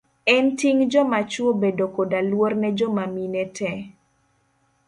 En ting' joma chuo bedo koda luor ne joma mine tee.